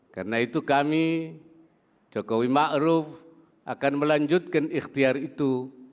karena itu kami jokowi maruf akan melanjutkan ikhtiar itu